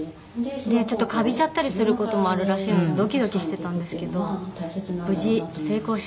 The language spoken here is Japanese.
ちょっとかびちゃったりする事もあるらしいのでドキドキしてたんですけど無事成功しました。